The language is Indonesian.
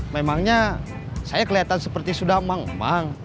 memangnya saya kelihatan seperti sudah mang mang